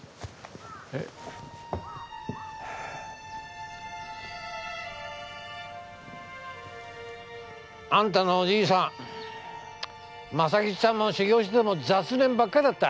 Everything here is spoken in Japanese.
え？あんたのおじいさん正吉さんも修業してても雑念ばっかだった。